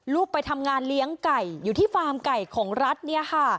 ไปทำงานเลี้ยงไก่อยู่ที่ฟาร์มไก่ของรัฐเนี่ยค่ะ